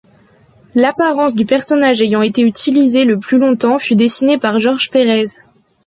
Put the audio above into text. L'apparence du personnage ayant été utilisée le plus longtemps, fut dessinée par George Pérez.